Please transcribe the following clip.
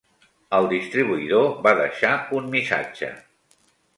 El distribuïdor va deixar un missatge.